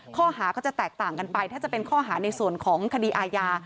ข้อหาก็จะแตกต่างกันไปถ้าจะเป็นข้อหาในส่วนของคดีอาญา